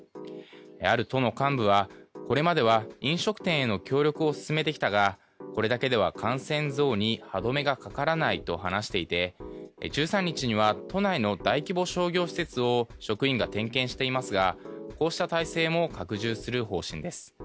ある都の幹部はこれまでは飲食店への協力を進めてきたがこれだけでは感染増に歯止めがかからないと話していて１３日には都内の大規模商業施設を職員が点検していますがこうした体制も拡充する方針です。